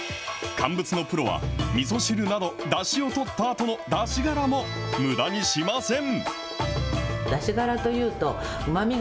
乾物のプロは、みそ汁など、だしを取ったあとのだしがらもむだにしません。